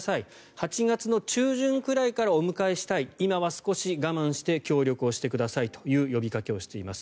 ８月の中旬くらいからお迎えしたい今は少し我慢して協力をしてくださいと呼びかけをしています。